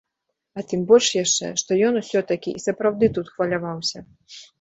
А тым больш яшчэ, што ён усё-такі і сапраўды тут хваляваўся.